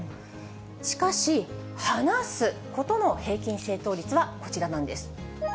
しかし、話すことの平均正答率はこちらなんです。